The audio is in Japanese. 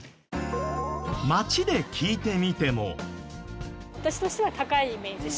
街で聞いてみても。